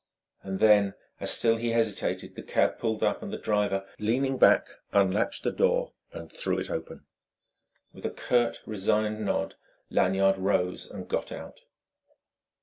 And then, as still he hesitated, the cab pulled up and the driver, leaning back, unlatched the door and threw it open. With a curt, resigned nod, Lanyard rose and got out.